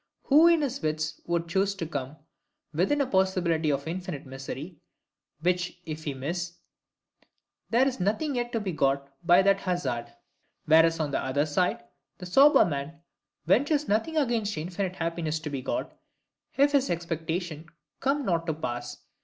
Who in his wits would choose to come within a possibility of infinite misery; which if he miss, there is yet nothing to be got by that hazard? Whereas, on the other side, the sober man ventures nothing against infinite happiness to be got, if his expectation comes not to pass.